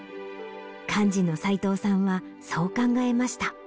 幹事の齊藤さんはそう考えました。